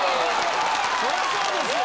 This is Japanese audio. そりゃそうですよ。